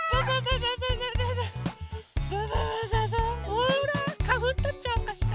ほらかふんとっちゃおうかしら？